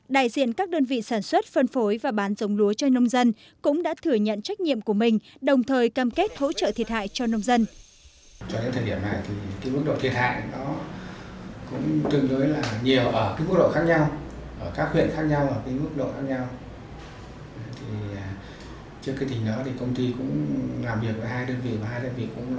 đại diện các đơn vị sản xuất phân phối và bán dống lúa cho nông dân cũng đã thử nhận trách nhiệm của mình đồng thời cam kết hỗ trợ thiệt hại cho nông dân